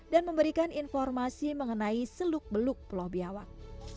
dan memberikan informasi mengenai seluk beluk pulau biawak